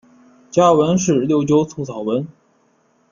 家纹是六鸠酢草纹。